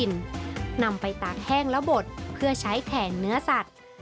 ได้ในท้องถิ่นนำไปตากแห้งแล้วบดเพื่อใช้แข่งเนื้อสัตว์